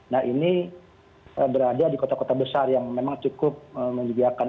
nah ini berada di kota kota besar yang memang cukup menyediakan